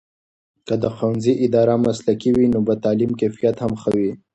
که د ښوونځي اداره مسلکي وي، نو به د تعلیم کیفیت هم ښه وي.